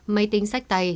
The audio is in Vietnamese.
máy tính sách tay